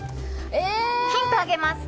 ヒントあげます。